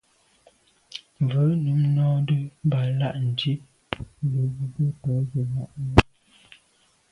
Mvə̌ nǔm nɔ́də́ bā lâ' ndíp zə̄ bū bə̂ tɔ̌ zə̄ lá' lá.